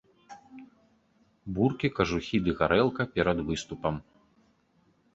Буркі, кажухі ды гарэлка перад выступам.